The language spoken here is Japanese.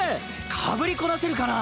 かぶりこなせるかな？